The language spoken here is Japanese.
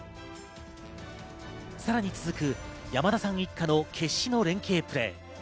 さらに続く山田さん一家の決死の連携プレー。